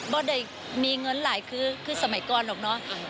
บ่ได้มีเงินหลายคือสมัยก่อนแหละเนาะ